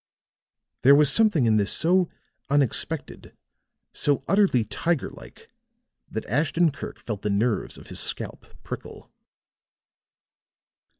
There was something in this so unexpected, so utterly tiger like, that Ashton Kirk felt the nerves of his scalp prickle.